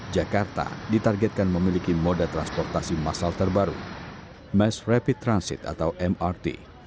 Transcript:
dua ribu delapan belas jakarta ditargetkan memiliki moda transportasi masal terbaru mass rapid transit atau mrt